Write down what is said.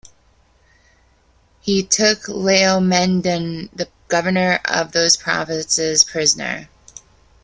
He took Laomedon, the governor of those provinces, prisoner.